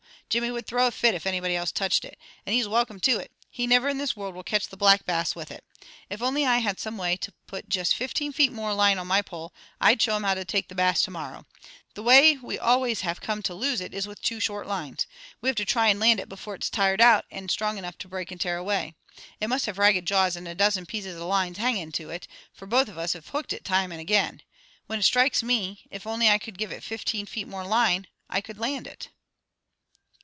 Jimmy would throw a fit if anybody else touched it. And he's welcome to it. He never in this world will catch the Black Bass with it. If I only had some way to put juist fifteen feet more line on my pole, I'd show him how to take the Bass to morrow. The way we always have come to lose it is with too short lines. We have to try to land it before it's tired out and it's strong enough to break and tear away. It must have ragged jaws and a dozen pieces of line hanging to it, fra both of us have hooked it time and again. When it strikes me, if I only could give it fifteen feet more line, I could land it."